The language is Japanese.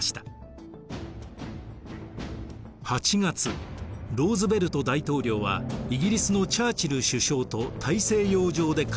８月ローズヴェルト大統領はイギリスのチャーチル首相と大西洋上で会談を行います。